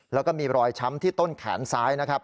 แล้วก็มีรอยช้ำที่ต้นแขนซ้ายนะครับ